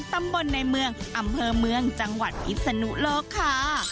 ตำบลในเมืองอำเภอเมืองจังหวัดพิศนุโลกค่ะ